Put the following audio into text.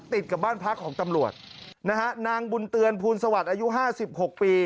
ติดกับบ้านพักของตำรวจนะฮะนางบุญเตือนภูลสวัสดิ์อายุห้าสิบหกปี